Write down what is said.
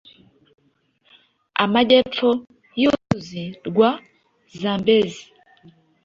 amajyepfo y'uruzi rwa Zambezi